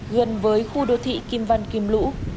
gần với khu đô thị kim văn kim lũ